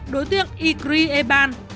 đối tượng igri eban